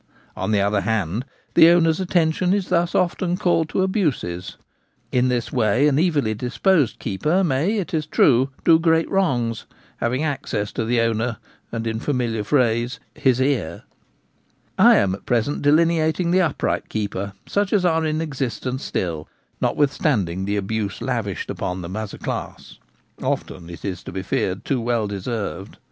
On the other hand, the owner's atten tion is thus often called to abuses. In this way an evilly disposed keeper may, it is true, do great wrongs, having access to the owner and, in familiar phrase, 'his ear/ I am at present delineating the upright keeper, such as are in existence still, notwith standing the abuse lavished upon them as a class — often, it is to be feared, too well deserved.